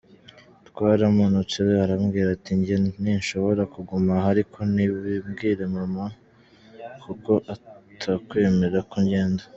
Twaramanutse arambwira ati ‘njye ninshobora kuguma aha ariko ntubibwire mama kuko atakwemera ko ngenda’.